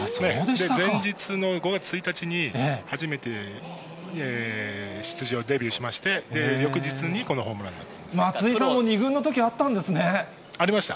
前日の５月１日に、初めて出場、デビューしまして、翌日にこのホームランということ松井さんも２軍のときあったありました、